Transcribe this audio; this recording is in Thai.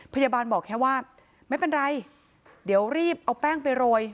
พยาบาลบอกแค่ว่าไม่เป็นไรเดี๋ยวรีบเอาแป้งไปโรย